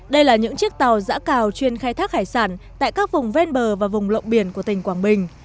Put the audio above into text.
đây là những chiếc tàu giã cào chuyên khai thác hải sản tại các vùng ven bờ và vùng lộng biển của tỉnh quảng bình